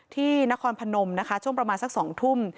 ที่นครพนมนะคะช่วงประมาณสัก๒ทุ่ม